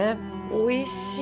おいしい。